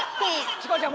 チコちゃん